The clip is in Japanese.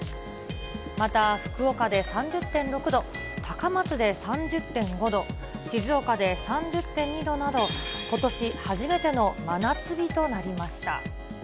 また福岡で３０．６度、高松で３０．５度、静岡で３０．２度など、ことし初めての真夏日となりました。